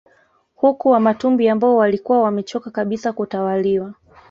Huku Wamatumbi ambao walikuwa wamechoka kabisa kutawaliwa